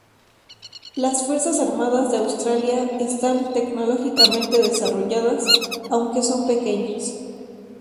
Las Fuerzas Armadas de Australia están tecnológicamente desarrolladas aunque son pequeñas.